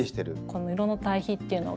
この色の対比っていうのが。